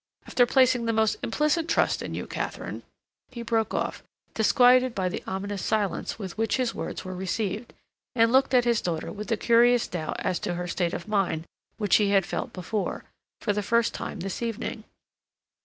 After placing the most implicit trust in you, Katharine—" He broke off, disquieted by the ominous silence with which his words were received, and looked at his daughter with the curious doubt as to her state of mind which he had felt before, for the first time, this evening.